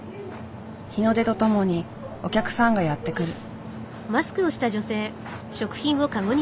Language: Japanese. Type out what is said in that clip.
日の出とともにお客さんがやって来る。